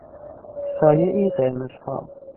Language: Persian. سایهای قرمز فام